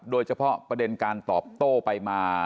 โดยเฉพาะประเด็นการตอบโต้ไปมา